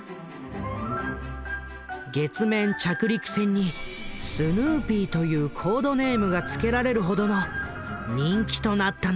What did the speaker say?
月面着陸船に「スヌーピー」というコードネームがつけられるほどの人気となったのだ。